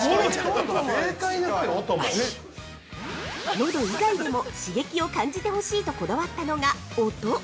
◆喉以外でも刺激を感じてほしいとこだわったのが音！